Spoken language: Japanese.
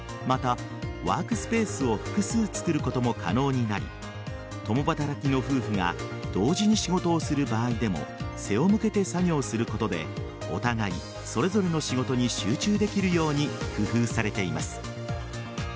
また、ワークスペースを複数つくることも可能になり共働きの夫婦が同時に仕事をする場合でも背を向けて作業することでお互い、それぞれの仕事に集中できるように工夫されています。